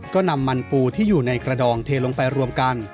ก็นำมันปูที่อยู่ในกระดองเทลงไปรวมกัน